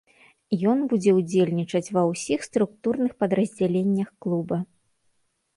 Ён будзе ўдзельнічаць ва ўсіх структурных падраздзяленнях клуба.